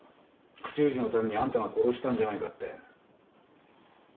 口封じのためにあんたが殺したんじゃないかって。